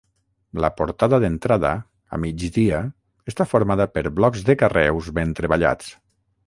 La portada d'entrada, a migdia, està formada per blocs de carreus ben treballats.